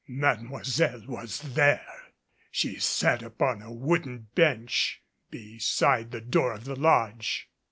Mademoiselle was there! She sat upon a wooden bench beside the door of the lodge.